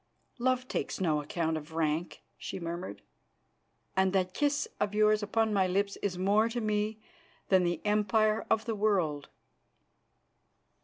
"Love takes no account of rank," she murmured, "and that kiss of yours upon my lips is more to me than the empire of the world."